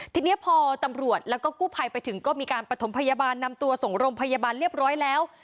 ทีนี้พอตำรวจแล้วก็กู้ภัยไปถึงก็มีการประถมพยาบาลนำตัวส่งโรงพยาบาลเรียบร้อยแล้ว